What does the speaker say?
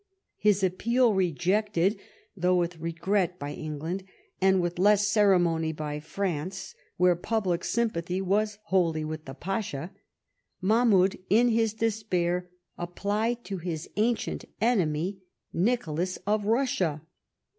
His appeal rejected, though with regret, by England, and with less ceremony by France, where public sympathy was wholly with the Pasha, Mahmoud, in his despair, \ applied to his ancient enemy, Nicholas of Russia.